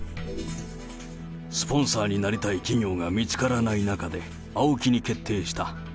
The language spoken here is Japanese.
スポンサーになりたい企業が見つからない中で、ＡＯＫＩに決定した。